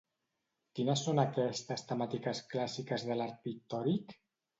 Quines són aquestes temàtiques clàssiques de l'art pictòric?